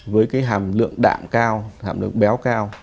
với cái hàm lượng đạm cao hàm lượng béo cao